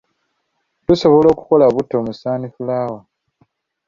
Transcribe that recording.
Tusobola okukola butto mu sunflower.